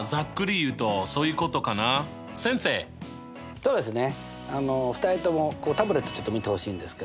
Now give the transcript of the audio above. そうですね。